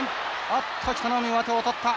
おっと北の湖、上手を取った。